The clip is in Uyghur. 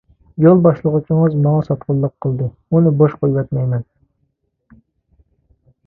-يول باشلىغۇچىڭىز ماڭا ساتقۇنلۇق قىلدى، ئۇنى بوش قويۇۋەتمەيمەن!